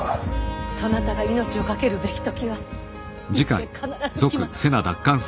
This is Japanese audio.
そなたが命を懸けるべき時はいずれ必ず来ます。